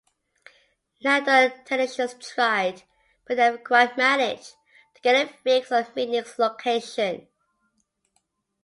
Nando technicians tried, but never quite managed, to get a fix on Mitnick's location.